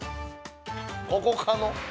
◆ここかの？